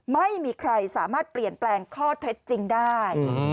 ไม่มีใครสามารถเปลี่ยนแปลงข้อเท็จจริงได้